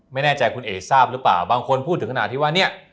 ไม่แน่ใจคุณเอ๋ทราบหรือเปล่าบางคนพูดถึงขนาดที่ว่าเนี่ย